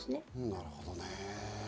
なるほどね。